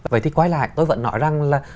vậy thì quay lại tôi vẫn nói rằng là